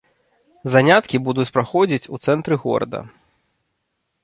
Заняткі будуць праходзіць у цэнтры горада.